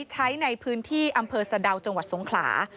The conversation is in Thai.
ใช้ในพื้นที่อำเภอสะดาวจังหวัดสงขลา